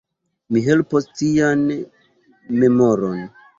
Mi helpos cian memoron.